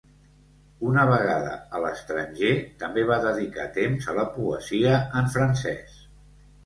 Una vegada a l'estranger també va dedicar temps a la poesia en francès.